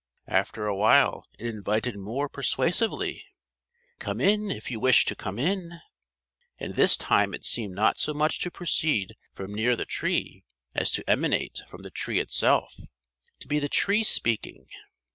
After a while it invited more persuasively: "Come in if you wish to come in." And this time it seemed not so much to proceed from near the Tree as to emanate from the Tree itself to be the Tree speaking!